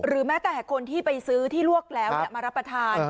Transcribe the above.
แม้แต่คนที่ไปซื้อที่ลวกแล้วมารับประทาน